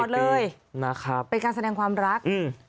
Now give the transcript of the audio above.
ตลอดเลยเป็นการแสดงความรัก